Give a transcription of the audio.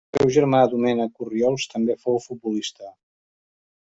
El seu germà Domènec Orriols també fou futbolista.